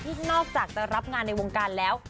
นอกจากจะรับงานในวงการแล้ว